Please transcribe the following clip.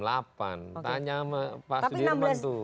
tanya sama pak sudirman tuh